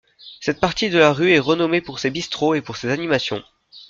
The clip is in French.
Cette partie de la rue est renommée pour ses bistrots et pour ses animations.